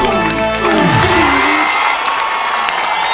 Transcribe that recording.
ร้องได้ให้ร้าง